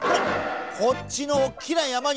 こっちのおっきなやまには。